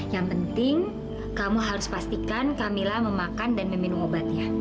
yang penting kamu harus pastikan camillah memakan dan meminum obatnya